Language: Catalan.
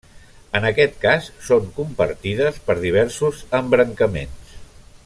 En aquest cas són compartides per diversos embrancaments.